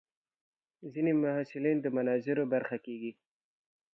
ځینې محصلین د مناظرو برخه کېږي.